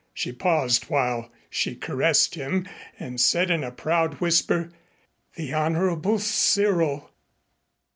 She paused while she caressed him and said in a proud whisper, "The Honorable Cyril!"